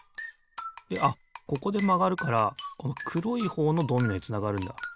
であっここでまがるからこのくろいほうのドミノへつながるんだ。